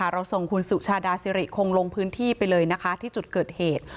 เราส่งคุณสุชาดาสิริคงลงพื้นที่ไปเลยนะคะที่จุดเกิดเหตุ